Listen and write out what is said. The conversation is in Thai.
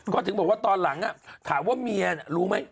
ก็ถึงบอกว่าตอนหลังถามว่าเมียรู้ไหม